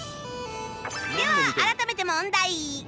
では改めて問題